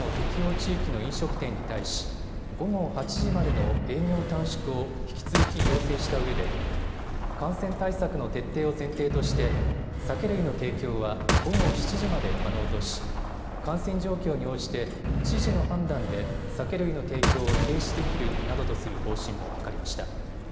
地域の飲食店に対し午後８時までの営業短縮を引き続き要請したうえで感染対策の徹底を前提として酒類の提供は午後７時まで可能とし感染状況に応じて知事の判断で酒類の提供を停止できるなどとする方針も諮りました。